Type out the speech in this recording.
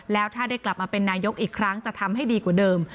แล้วถ้าได้กลับมาเป็นนายกอีกครั้งจะทำให้ดีกว่าเดิม